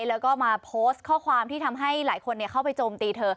แล้วก็มาโพสต์ข้อความที่ทำให้หลายคนเข้าไปโจมตีเธอ